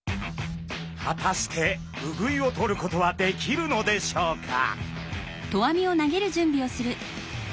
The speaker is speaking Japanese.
果たしてウグイをとることはできるのでしょうか？